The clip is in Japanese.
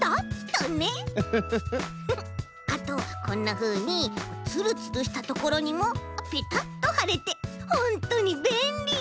あとこんなふうにツルツルしたところにもぺたっとはれてほんとにべんり！